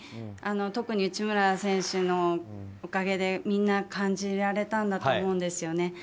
特に内村選手のおかげでみんな感じられたと思うんですね。